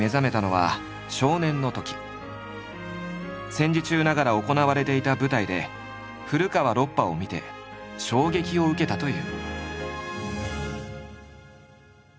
戦時中ながら行われていた舞台で古川ロッパを見て衝撃を受けたという。